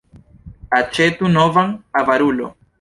Aĉetu novan, avarulo!